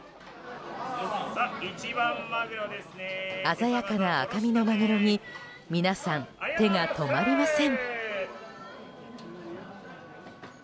鮮やかな赤身のマグロに皆さん、手が止まりません。